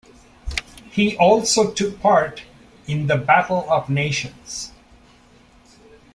He also took part in the Battle of Nations.